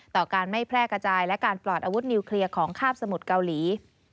ต่อการไม่แพร่กระจายและการปลอดอาวุธนิวเคลียร์ของคาบสมุทรเกาหลี